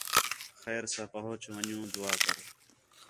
خیر ساں پُہنچ ون٘ڄوں دُعا کر